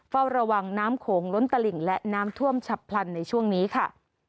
เฝ้าระวังน้ำโขงล้นตลิ่งและน้ำท่วมฉับพลันในช่วงนี้ค่ะ